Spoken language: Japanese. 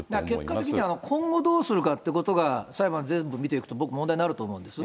結果的には今後どうするかってことが、裁判全部見ていくと、僕、問題になると思うんです。